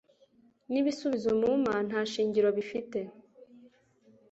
n'ibisubizo mumpa nta shingiro bifite